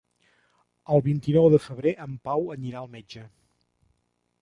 El vint-i-nou de febrer en Pau anirà al metge.